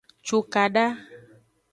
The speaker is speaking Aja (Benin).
Cukada.